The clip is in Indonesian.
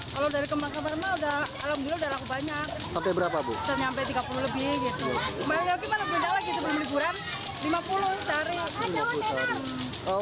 kalau dari kemarin udah alhamdulillah banyak sampai berapa bukannya sampai tiga puluh lebih gitu